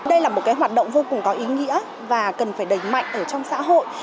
đây là một hoạt động vô cùng có ý nghĩa và cần phải đẩy mạnh ở trong xã hội